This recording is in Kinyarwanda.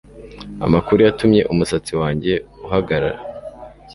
Amakuru yatumye umusatsi wanjye uhagarara